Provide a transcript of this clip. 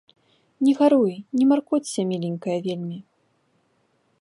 Не гаруй, не маркоцься, міленькая, вельмі.